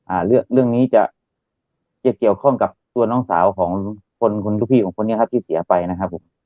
อ่าเรื่องเรื่องนี้จะจะเกี่ยวข้องกับตัวน้องสาวของคนคนลูกพี่ของคนนี้ครับที่เสียไปนะครับผม